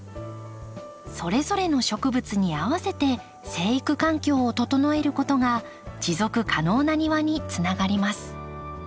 それぞれの植物に合わせて生育環境を整えることが持続可能な庭につながります。